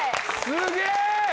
すげえ！